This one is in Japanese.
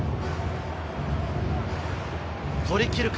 取り切るか？